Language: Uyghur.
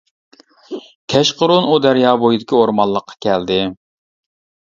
كەچقۇرۇن ئۇ دەريا بويىدىكى ئورمانلىققا كەلدى.